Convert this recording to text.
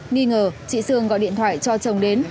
nghi ngờ chị sương gọi điện thoại cho chồng đến